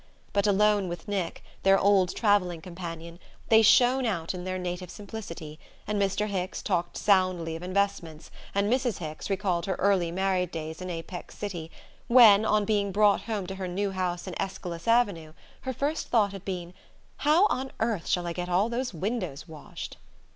But alone with Nick, their old travelling companion, they shone out in their native simplicity, and Mr. Hicks talked soundly of investments, and Mrs. Hicks recalled her early married days in Apex City, when, on being brought home to her new house in Aeschylus Avenue, her first thought had been: "How on earth shall I get all those windows washed?"